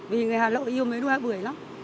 vì người hà nội yêu mấy đôi hoa bưởi lắm